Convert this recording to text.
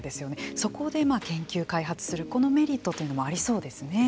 そこで研究開発するこのメリットというのもそうですね。